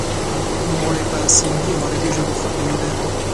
نوموړی په سندهي او عربي ژبو ښه پوهیده.